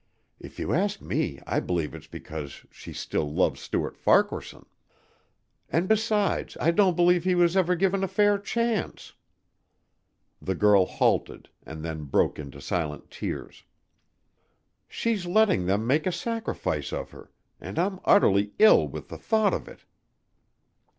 If you ask me I believe it's because she still loves Stuart Farquaharson and besides I don't believe he was ever given a fair chance." The girl halted and then broke into silent tears. "She's letting them make a sacrifice of her and I'm utterly ill with the thought of it."